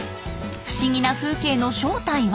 不思議な風景の正体は？